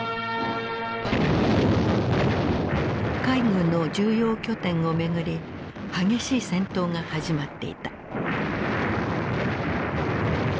海軍の重要拠点を巡り激しい戦闘が始まっていた。